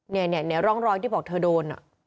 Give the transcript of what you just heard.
เนี่ยร่องรอยที่บอกเธอโดน